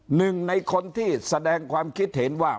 หนึ่งในคนที่แสดงความคิดเห็นว่า